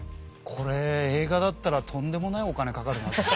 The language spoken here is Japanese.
これ映画だったらとんでもないお金かかるなって。